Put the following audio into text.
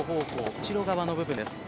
後ろ側の部分です。